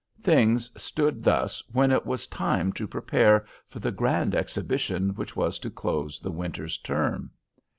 Things stood thus when it was time to prepare for the grand exhibition which was to close the winter's term.